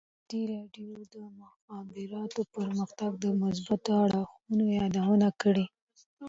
ازادي راډیو د د مخابراتو پرمختګ د مثبتو اړخونو یادونه کړې.